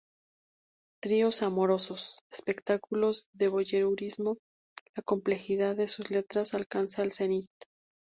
Tríos amorosos, espectáculos de voyeurismo, la complejidad de sus letras alcanza el zenit.